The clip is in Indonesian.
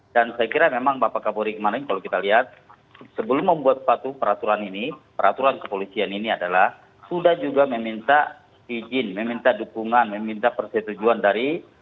dan saya kira memang bapak kapolri kemarin kalau kita lihat sebelum membuat satu peraturan ini peraturan kepolisian ini adalah sudah juga meminta izin meminta dukungan meminta persetujuan dari